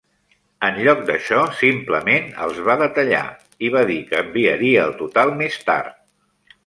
En lloc d'això, simplement els va detallar, i va dir que enviaria el total més tard.